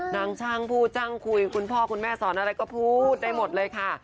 นางช่างพูดช่างคุยคุณพ่อคุณแม่สอนอะไรก็พูดได้หมดเลยค่ะ